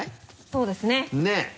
そうですね。ねぇ。